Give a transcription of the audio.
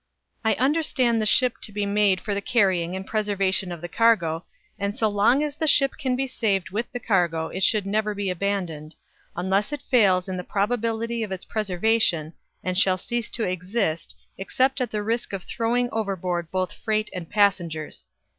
"I understand the ship to be made for the carrying and the preservation of the cargo, and so long as the ship can be saved with the cargo, it should never be abandoned, unless it fails in the probability of its preservation, and shall cease to exist, except at the risk of throwing overboard both freight and passengers."